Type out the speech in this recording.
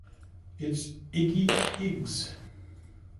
It's Iggy Iggs.